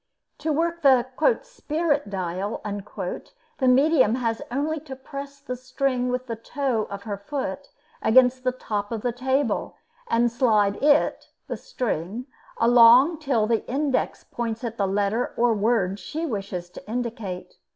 To work the "spirit dial," the medium has only to press the string with the toe of her foot against the top of the table, and slide it (the string) along till the index points at the letter or word she wishes to indicate.